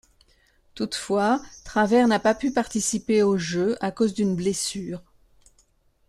Toutefois, Travers n'a pas pu participer aux Jeux à cause d'une blessure.